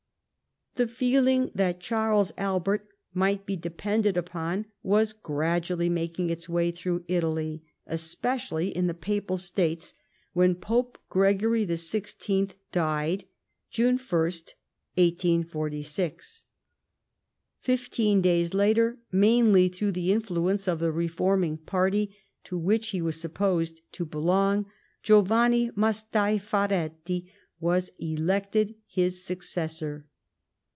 The feeling tbat Cbarles Albert might be depended upon was gradually making its way through Italy, especially in the Papal States, when Pope Gregory XVI. died (June 1st, 184G). Fifteen days later, mainly through the influence of the reforming party to which he was sup])0sed to belong, Giovanni Mastai Ferretti was elected bis successor.